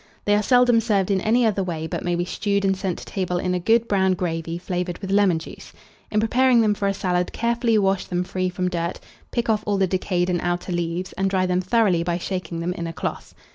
They are seldom served in any other way, but may be stewed and sent to table in a good brown gravy flavoured with lemon juice. In preparing them for a salad, carefully wash them free from dirt, pick off all the decayed and outer leaves, and dry them thoroughly by shaking them in a cloth.